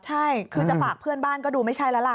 ใช่คือจะฝากเพื่อนบ้านก็ดูไม่ใช่แล้วล่ะ